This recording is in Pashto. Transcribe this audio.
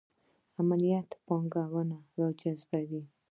امنیت پانګونه راجذبوي